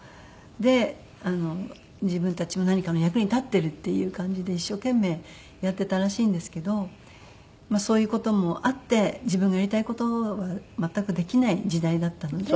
で自分たちも何かの役に立ってるっていう感じで一生懸命やってたらしいんですけどそういう事もあって自分がやりたい事は全くできない時代だったので。